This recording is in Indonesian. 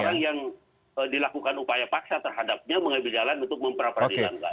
ya orang yang dilakukan upaya paksa terhadapnya mengambil jalan untuk memper peradilan